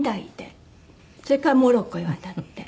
それからモロッコへ渡って。